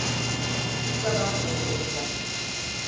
Kusura bakmayın çocuklar.